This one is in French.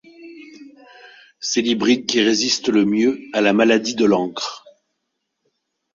C'est l'hybride qui résiste le mieux à la maladie de l'encre.